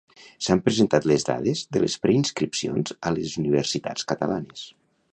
S'han presentat les dades de les preinscripcions a les universitats catalanes.